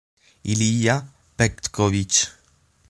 Ilija Petković.